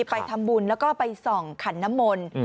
ไปทำบุญไปส่องขันนมนต์